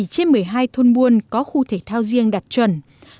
bảy trên một mươi hai thôn buôn có khu thể thao riêng đạt chuẩn